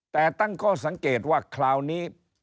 แต่ตั้งข้อสังเกตว่าคราวนี้